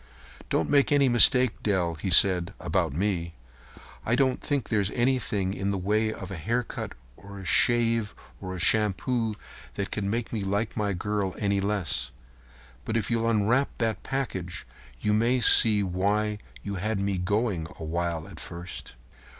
"Don't make any mistake, Dell," he said, "about me. I don't think there's anything in the way of a haircut or a shave or a shampoo that could make me like my girl any less. But if you'll unwrap that package you may see why you had me going a while at first."